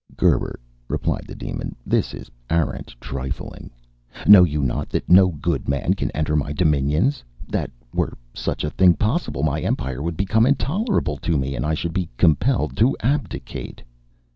"Gerbert," replied the demon, "this is arrant trifling. Know you not that no good man can enter my dominions? that, were such a thing possible, my empire would become intolerable to me, and I should be compelled to abdicate?"